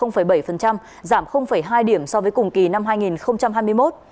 giảm hai điểm so với cùng kỳ năm hai nghìn hai mươi một